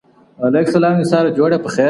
د خوب تعبير قطعي زيری مه ګڼئ.